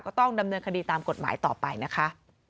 ก็ต้องดำเนินคดีตามกฎหมายต่อไปนะคะ